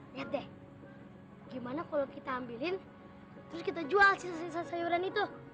lihat deh gimana kalau kita ambilin terus kita jual sisa sisa sayuran itu